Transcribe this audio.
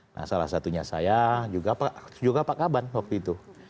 nah salah satunya saya juga pak kaban waktu itu